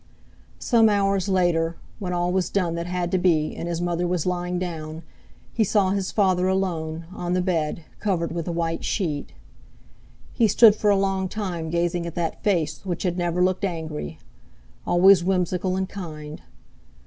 Some hours later, when all was done that had to be, and his mother was lying down, he saw his father alone, on the bed, covered with a white sheet. He stood for a long time gazing at that face which had never looked angry—always whimsical, and kind.